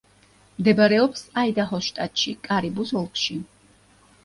მდებარეობს აიდაჰოს შტატში, კარიბუს ოლქში.